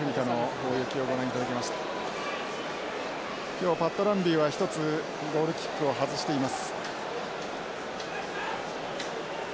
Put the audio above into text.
今日パットランビーは一つゴールキックを外しています。